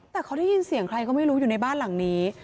แต่เขาได้ยินเสียงใครก็ไม่รู้อยู่ในบ้านหลังนี้